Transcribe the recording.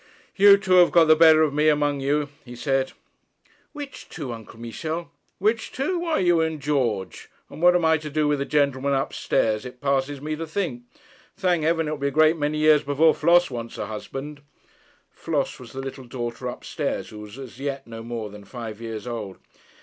'You two have got the better of me among you,' he said. 'Which two, Uncle Michel?' 'Which two? Why, you and George. And what I'm to do with the gentleman upstairs, it passes me to think. Thank heaven, it will be a great many years before Flos wants a husband.' Flos was the little daughter up stairs, who was as yet no more than five years old.